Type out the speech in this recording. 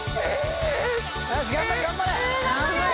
よし頑張れ頑張れ。